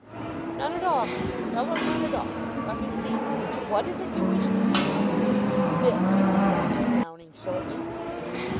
None at all, my dear fellow, none at all. Let me see, what is it you wish to do?" "This," said Mr. Downing shortly.